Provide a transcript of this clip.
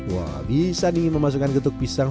wah bisa nih memasukkan getuk pisang raja nangka